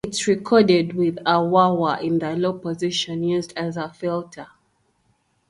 It's recorded with a wah wah in the low position used as a filter.